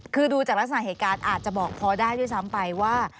คือดูจากลักษณะเหตุการณ์อาจจะบอกพอได้ด้วยซ้ำไปว่า